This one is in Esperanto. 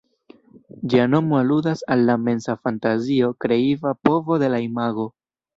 Ĝia nomo aludas al la mensa fantazio, kreiva povo de la imago.